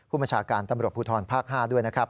ผู้บัญชาการตำรวจภูทรภักดิ์๕ด้วยนะครับ